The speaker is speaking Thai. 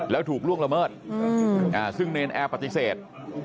แล้วถูกล่วงละเมิดซึ่งเนรนแอร์ปฏิเสธ